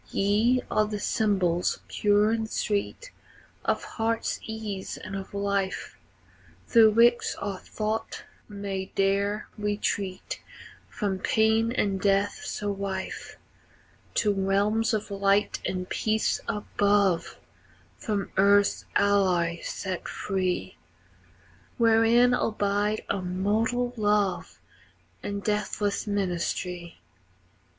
Ye are the symbols, pure and sweet, Of heartsease and of life, Through which our thought may dare retreat From pain and death so rife, To realms of light and peace above, From earth's alloy set free, Wherein abide immortal love And deathless ministry.